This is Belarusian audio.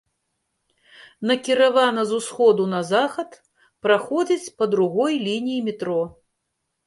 Накіравана з усходу на захад, праходзіць па другой лініі метро.